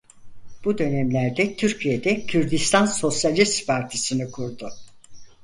Bu dönemlerde Türkiye'de Kürdistan Sosyalist Partisi'ni kurdu.